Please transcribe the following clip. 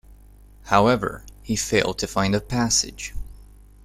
However, he failed to find a passage.